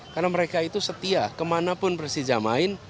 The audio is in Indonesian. karena mereka itu setia kemanapun persija main